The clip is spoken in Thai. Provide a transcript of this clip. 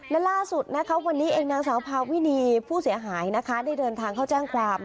และล่าสุดวันนี้เองนางเสาร์ภาวิณีผู้เสียหายได้เดินทางเข้าแจ้งความ